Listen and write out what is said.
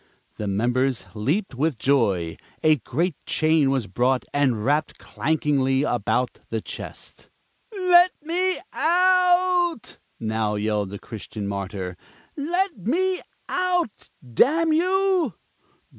The members leaped with joy. A great chain was brought and wrapped clankingly about the chest. "Let me out," now yelled the Christian Martyr. "Let me out, damn you!"